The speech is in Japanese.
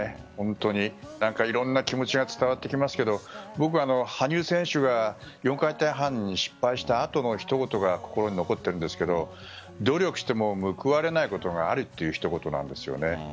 本当にいろんな気持ちが伝わってきますけど僕は羽生選手が４回転半に失敗した後の一言が心に残っているんですけど努力しても報われないことがあるという一言なんですよね。